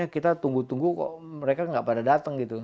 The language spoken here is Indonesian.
kita tunggu tunggu kok mereka nggak pada datang gitu